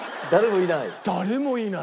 誰もいない？